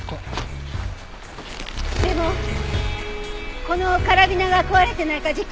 でもこのカラビナが壊れてないか実験ですから。